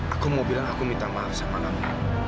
aku mau bilang aku minta maaf sama kamu